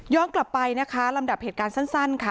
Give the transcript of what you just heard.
กลับไปนะคะลำดับเหตุการณ์สั้นค่ะ